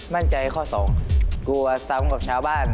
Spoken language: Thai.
มั่นใจข้อสองกลัวซ้ำกับชาวบ้าน